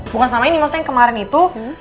bukan selama ini maksudnya yang kemarin itu